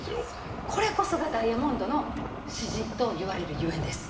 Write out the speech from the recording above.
これこそがダイヤモンドの詩人といわれるゆえんです。